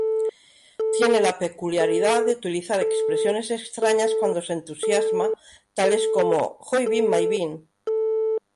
Tiene la peculiaridad de utilizar expresiones extrañas cuando se entusiasma, tales como "¡Hoyvin-Mayvin!